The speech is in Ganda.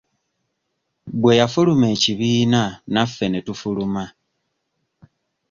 Bwe yafuluma ekibiina naffe ne tufuluma.